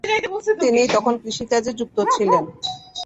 তিনি তখন কৃষিকাজে যুক্ত ছিলেন।